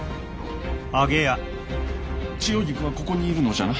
千代菊はここにいるのじゃな？